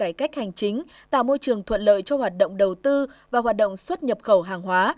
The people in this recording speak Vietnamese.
cải cách hành chính tạo môi trường thuận lợi cho hoạt động đầu tư và hoạt động xuất nhập khẩu hàng hóa